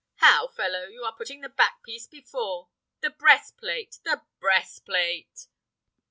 How, fellow! you are putting the back piece before! The breast plate! The breast plate!"